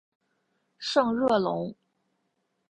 圣热龙。